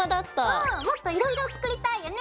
うんもっといろいろ作りたいよね！